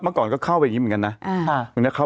อย่างนี้เข้าไปเหมือนกัน